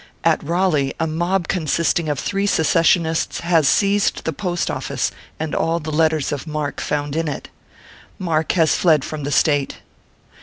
At Raleigh, a mob consisting of three secessionists, has seized the post office and all the letters of marque found in it. Marque has fled from the State.